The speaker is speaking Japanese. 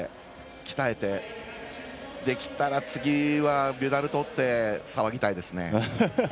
鍛えて、できたら次はメダルとって騒ぎたいですね。